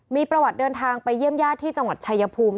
มีประวัติเดินทางไปเยี่ยมญาติที่จังหวัดชายภูมิ